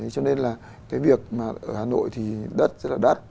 cho nên là cái việc mà ở hà nội thì đất rất là đắt